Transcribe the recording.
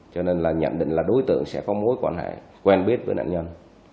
cho nên là nhận định là đối tượng sẽ có mối quan hệ quen biết với nạn nhân